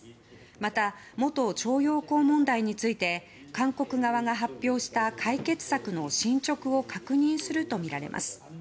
また、元徴用工問題について韓国側が発表した解決策の進捗を確認するとみられます。